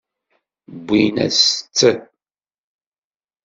Wwin-as-tt.